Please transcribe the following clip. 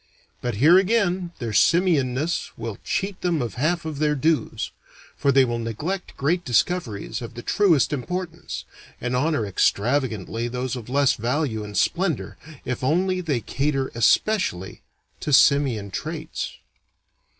But here again their simian ness will cheat them of half of their dues, for they will neglect great discoveries of the truest importance, and honor extravagantly those of less value and splendor if only they cater especially to simian traits.